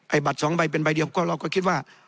บัตรสองใบเป็นใบเดียวก็เราก็คิดว่า